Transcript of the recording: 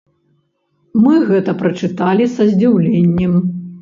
Мы гэта прачыталі са здзіўленнем.